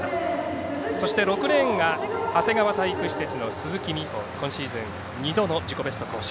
そして６レーンの鈴木美帆は今シーズン２度の自己ベスト更新。